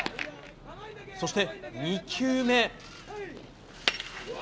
そして２球目。